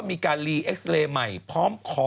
มีการลีเอ็กซ์เรย์ใหม่พร้อมขอ